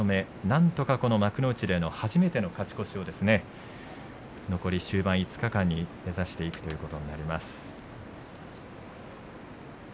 なんとかこの幕内での初めての勝ち越しを残り終盤５日間に目指していくということになります。